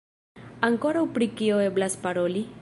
Ankoraŭ pri kio eblas paroli?